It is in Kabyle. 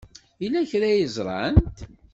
Yella kra ay ẓrant?